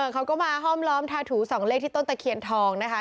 เขาก็มาห้อมล้อมทาถู๒เลขที่ต้นตะเคียนทองนะคะ